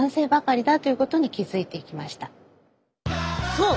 そう！